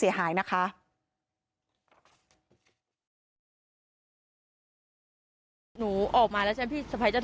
มีชายแปลกหน้า๓คนผ่านมาทำทีเป็นช่วยค่างทาง